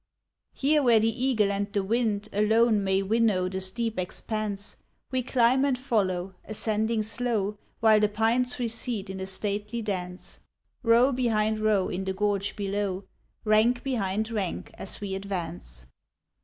Here, where the eagle and the wind Alone inay winnow the steep expanse, We climb and follow, ascending slow, While the pines recede in a stately dance, Row behind row in the gorge below, Rank behind rank as we advance.